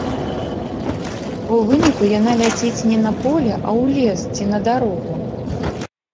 У выніку яна ляціць не на поле, а ў лес ці на дарогу.